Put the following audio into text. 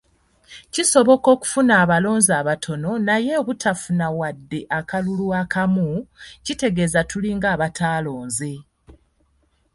Kisoboka okufuna abalonzi abatono naye obutafuna wadde akalulu akamu, kitegeeza tulinga abataalonze.